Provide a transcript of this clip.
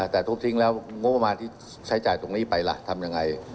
แต่ทุบทิ้งแล้วงบประมาณที่ใช้จ่ายตรงนี้ไปล่ะทำยังไง